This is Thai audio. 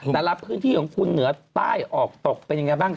แต่ละพื้นที่ของคุณเหนือใต้ออกตกเป็นยังไงบ้าง